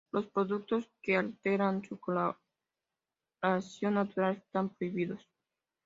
Los productos que alteran su coloración natural están prohibidos.